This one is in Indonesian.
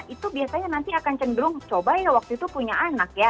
itu biasanya nanti akan cenderung coba ya waktu itu punya anak ya